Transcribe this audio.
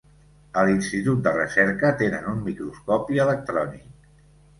A l'institut de recerca tenen un microscopi electrònic.